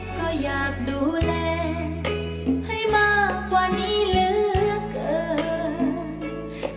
ก็อยากดูแลให้มากกว่านี้เหลือเกิน